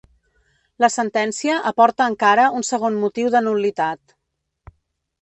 La sentència aporta encara un segon motiu de nul·litat.